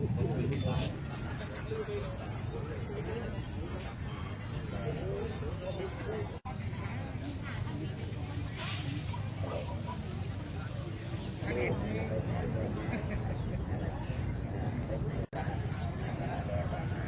อ่อใช่ที่ตรงบริเวณมีตลาด